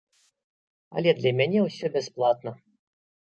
Але для мяне ўсё бясплатна.